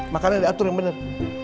makanan diatur yang bener